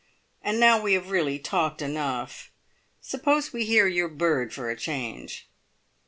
And now we have really talked enough. Suppose we hear your bird for a change?"